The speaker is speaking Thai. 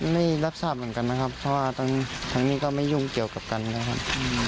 ไม่รับทราบเหมือนกันนะครับเพราะว่าทางนี้ก็ไม่ยุ่งเกี่ยวกับกันนะครับ